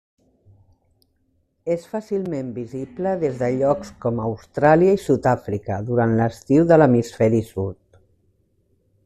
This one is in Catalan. És fàcilment visible des de llocs com Austràlia i Sud-àfrica durant l'estiu de l'Hemisferi Sud.